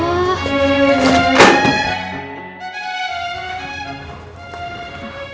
aku juga jadi bingung